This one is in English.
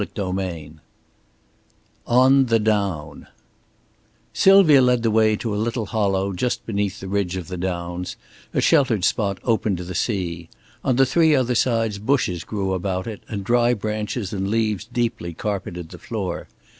CHAPTER XX ON THE DOWN Sylvia led the way to a little hollow just beneath the ridge of the downs, a sheltered spot open to the sea. On the three other sides bushes grew about it and dry branches and leaves deeply carpeted the floor.